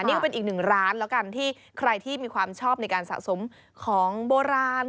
นี่ก็เป็นอีกหนึ่งร้านแล้วกันที่ใครที่มีความชอบในการสะสมของโบราณ